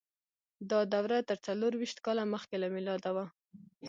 دا دوره تر څلور ویشت کاله مخکې له میلاده وه.